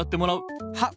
はっ！